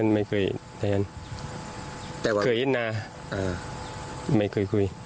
ดูเคยยันเนาไม่เคยคุย